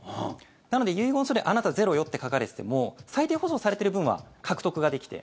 なので遺言書であなたゼロよって書かれてても最低保障されている分は獲得ができて。